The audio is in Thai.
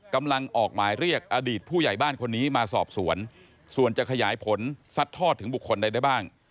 กำลังออกหมายเรียกอดีตผู้ใหญ่บ้านคนนี้มาสอบสวนส่วนจะขยายผลซัดทอดถึงบุคคลใดได้บ้าง